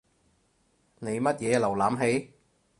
你乜嘢瀏覽器？